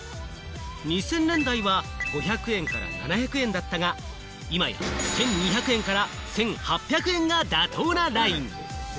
２０００年代は５００円から７００円だったが、今や１２００円から１８００円が妥当なライン。